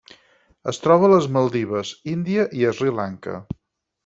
Es troba a les Maldives, Índia i Sri Lanka.